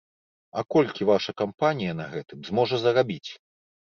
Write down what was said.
А колькі ваша кампанія на гэтым зможа зарабіць?